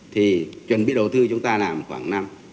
thì chuẩn bị đầu tư chúng ta làm khoảng năm